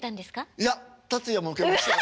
いや達也も受けましたよ。